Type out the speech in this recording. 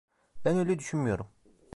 Ben öyle düşünmüyorum.